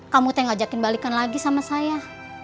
kamu teh ngajakin balikan lagi sama saya